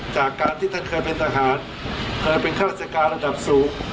จากการที่เขาเคยเป็นอาหารเคยเป็นฆ่าศักริย์กราศน์ระดับสูง